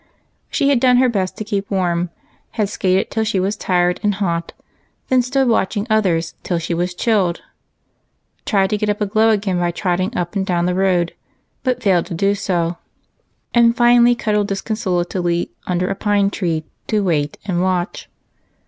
She had done her best to keep warm, had skated till she was tired and hot, then stood watching others till she was chilled ; tried to get up a glow again by trotting up and down the road, but failed to do so, and finally cuddled disconsolately under a pine tree to wait and' watch.